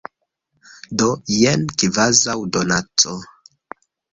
Do jen, kvazaŭ donaco.